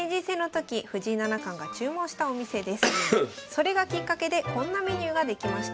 それがきっかけでこんなメニューが出来ました。